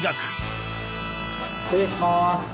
失礼します。